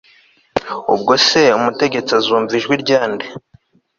ubwo se umutegetsi azumva ijwi rya nde